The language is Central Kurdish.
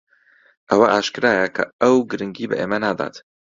ئەوە ئاشکرایە کە ئەو گرنگی بە ئێمە نادات.